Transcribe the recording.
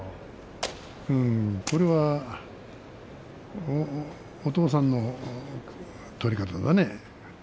これはお父さんの取り方だね。